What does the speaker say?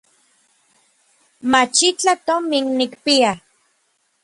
Machitlaj tomin nikpia.